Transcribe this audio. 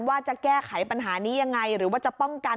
ว่าจะแก้ไขปัญหานี้ยังไงหรือว่าจะป้องกัน